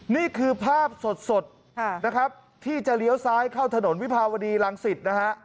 นี่คือภาพสดนะครับที่จะเลี้ยวซ้ายเข้าถนนวิภาวดีรังสิตนะฮะ